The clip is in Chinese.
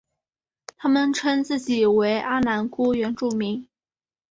他们称自己为阿男姑原住民。